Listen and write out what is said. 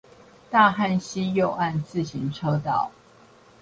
大漢溪右岸自行車道